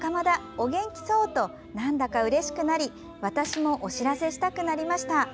お元気そう！となんだかうれしくなり私もお知らせしたくなりました！